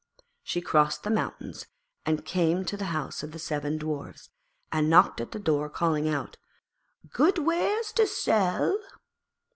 She crossed the mountains and came to the home of the seven Dwarfs, and knocked at the door calling out, 'Good wares to sell.'